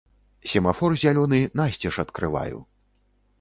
Семафор зялёны насцеж адкрываю.